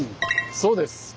そうです。